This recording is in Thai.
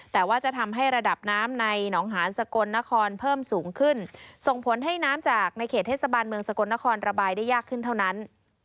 แต่ว่าจะทำให้ระดับน้ำในหนองหานสกลนครเพิ่มสูงขึ้นส่งผลให้น้ำจากในเขตเทศบาลเมืองสกลนครระบายได้ยากขึ้นเท่านั้น